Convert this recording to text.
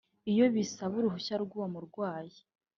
ibyo bisaba uruhushya rw’uwo murwayi